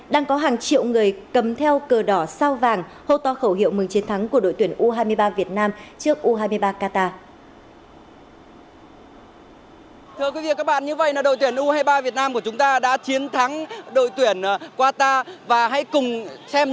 đang có hàng triệu người cầm theo cờ đỏ sao vàng hô to khẩu hiệu mừng chiến thắng của đội tuyển u hai mươi ba việt nam trước u hai mươi ba qatar